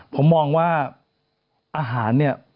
ผมมองว่าอาหารเนี่ย